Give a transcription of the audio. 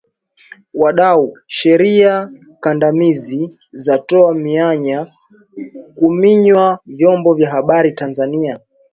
Wadau Sheria kandamizi zatoa mianya kuminywa vyombo vya habari Tanzania